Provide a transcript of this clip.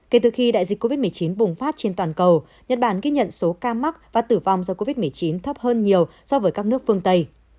kể từ khi đại dịch covid một mươi chín bùng phát trên toàn cầu nhật bản ghi nhận số ca mắc và tử vong do covid một mươi chín thấp hơn nhiều so với các nước phương tây